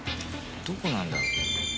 どこなんだろう？